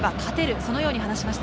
そのように話しました。